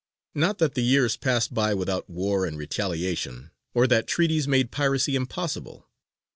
Not that the years passed by without war and retaliation, or that treaties made piracy impossible.